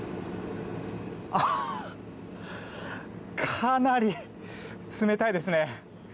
かなり冷たいですね。